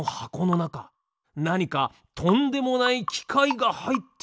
なにかとんでもないきかいがはいっているのでは？